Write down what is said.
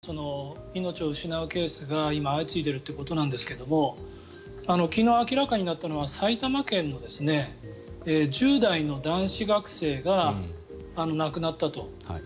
こうやって高齢の方が命を失うケースが今、相次いでいるということなんですけども昨日明らかになったのは埼玉県の１０代の男子学生が亡くなったと。